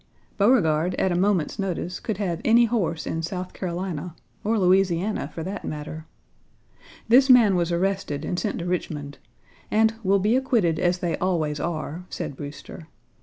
Beauregard, at a moment's notice, could have any horse in South Carolina, or Louisiana, for that matter. This man was arrested and sent to Richmond, and "will be acquitted as they always are," said Brewster.